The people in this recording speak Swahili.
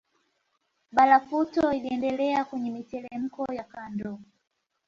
Barafuto iliendelea kwenye mitelemko ya kando